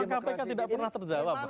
kpk tidak pernah terjawab